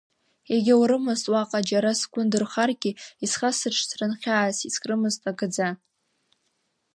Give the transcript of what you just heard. Егьаурымызт уаҟа џьара сгәы ндырхаргьы, исхасыршҭрын, хьаас искрымызт агаӡа.